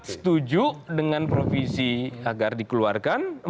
setuju dengan provisi agar dikeluarkan